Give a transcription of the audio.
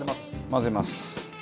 混ぜます。